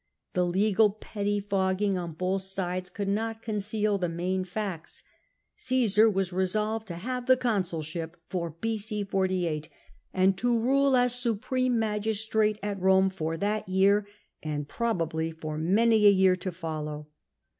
The legal pettifogging on both sides could not conceal the main facts. Caesar was resolved to have the consulship for B.c. 48, and to rule as supreme magistrate at Rome for that year, and probably for many a year to follow.